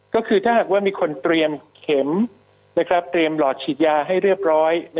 ก็คือถ้าหากว่ามีคนเตรียมเข็มเตรียมหลอดฉีดยาให้เรียบร้อย